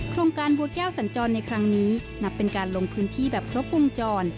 โครงการบัวแก้วสัญจรในครั้งนี้นับเป็นการลงพื้นที่แบบครบวงจร